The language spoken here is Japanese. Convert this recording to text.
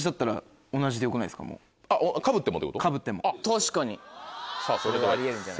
確かに。